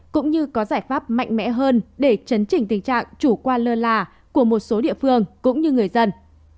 cũng như có giải pháp mạnh mẽ hơn để chấn chỉnh tình trạng chủ quan lơ là của một số địa phương cũng như người dân